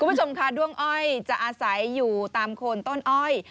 คุณผู้ชมค่ะด้วงอ้อยจะอาศัยอยู่ตามโคนต้นอ้อย